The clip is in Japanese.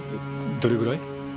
どれぐらい？